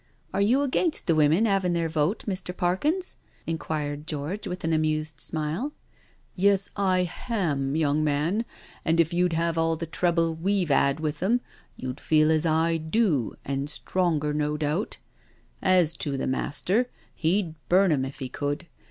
'* Are you against the women havin' their vote, Mr. Parkins?" inquired George, with an amused smile. " Yes, I hantf young man, and if you'd had all the trouble we've 'ad with them, you'd feel as I do, and stronger, no doubt. As to the Master, he'd burn 'em if he could.